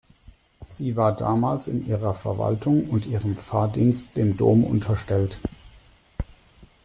Sie war damals in ihrer Verwaltung und ihrem Pfarrdienst dem Dom unterstellt.